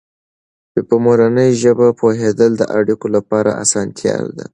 په مورنۍ ژبه پوهېدل د اړیکو لپاره اسانتیا ده.